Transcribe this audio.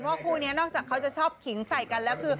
ว่าคู่นี้นอกจากเขาจะชอบขิงใส่กันแล้วคือ